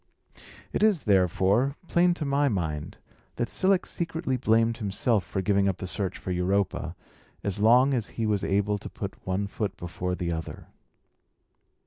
It is, therefore, plain to my mind, that Cilix secretly blamed himself for giving up the search for Europa, as long as he was able to put one foot before the other.